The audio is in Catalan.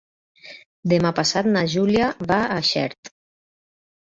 Demà passat na Júlia va a Xert.